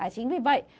chính vì vậy